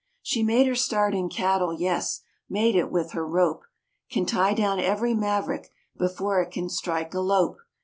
She made her start in cattle, yes, made it with her rope; Can tie down every maverick before it can strike a lope.